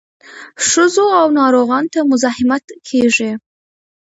ښځو او ناروغانو ته مزاحمت کیږي.